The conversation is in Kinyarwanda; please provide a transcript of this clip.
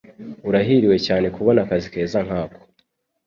Urahiriwe cyane kubona akazi keza nkako.